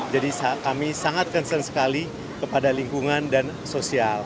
jadi kami sangat concern sekali kepada lingkungan dan sosial